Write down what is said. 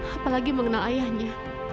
apalagi mengenal ayahnya